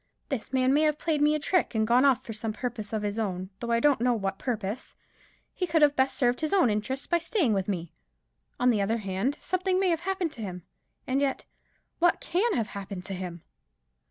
This man may have played me a trick, and gone off for some purpose of his own, though I don't know what purpose. He could have best served his own interests by staying with me. On the other hand, something may have happened to him. And yet what can have happened to him?"